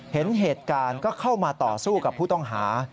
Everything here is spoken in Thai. เห็นเหตุการณ์ก็เข้ามาต่อสู้กับผู้ต้องหา